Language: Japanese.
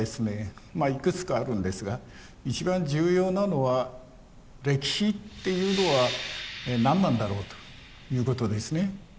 いくつかあるんですが一番重要なのは歴史っていうのは何なんだろうということですね。